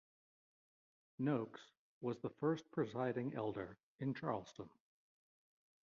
Noakes was the first Presiding elder in Charleston.